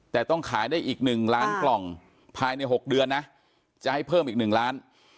แต่ต้องขายได้อีก๑ล้านกล่องภายใน๖เดือนนะจะให้เพิ่มอีก๑ล้าน